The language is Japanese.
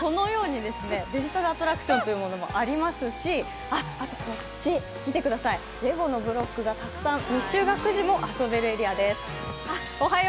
このようにデジタルアトラクションというものもありますし、あと、こっち、レゴのブロックがたくさん未就学児も遊べるエリアです。